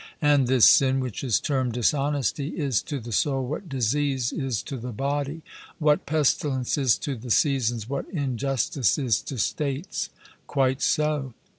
And this sin, which is termed dishonesty, is to the soul what disease is to the body, what pestilence is to the seasons, what injustice is to states. 'Quite so.'